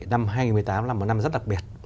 năm hai nghìn một mươi tám là một năm rất đặc biệt